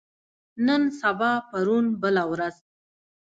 نن سبا پرون بله ورځ